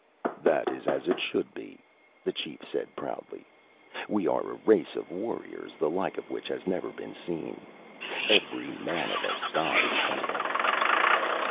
"That is as it should be," the chief said proudly. "We are a race of warriors, the like of which has never been seen. Every man of us dies fighting."